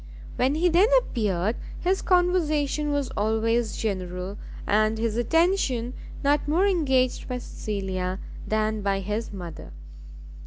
When he then appeared, his conversation was always general, and his attention not more engaged by Cecilia than by his mother.